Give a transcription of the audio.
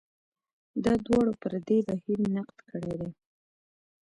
دا دواړو پر دې بهیر نقد کړی دی.